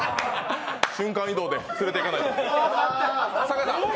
瞬間移動で連れていかないと。